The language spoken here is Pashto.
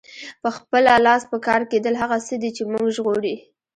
په خپله لاس پکار کیدل هغه څه دي چې مونږ ژغوري.